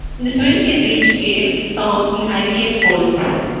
This wind can reach gale, storm, and hurricane force.